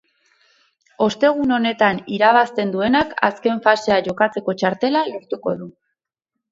Ostegun honetan irabazten duenak azken fasea jokatzeko txartela lortuko du.